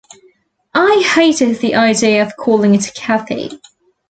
I hated the idea of calling it 'Cathy.